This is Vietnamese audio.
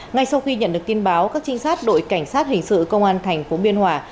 ngay sau khi nhận được tin báo các trinh sát đội cảnh sát hình sự công an thành phố biên hòa